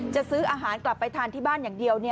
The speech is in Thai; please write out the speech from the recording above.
ซื้ออาหารกลับไปทานที่บ้านอย่างเดียว